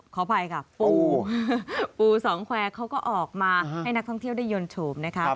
ขออภัยค่ะปูปูสองแควร์เขาก็ออกมาให้นักท่องเที่ยวได้ยนต์โฉมนะคะ